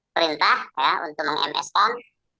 perintah ya untuk meng ms kan